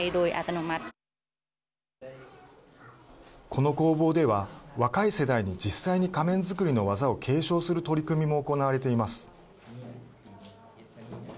この工房では若い世代に実際に仮面作りの技を継承する取り組みも行われています。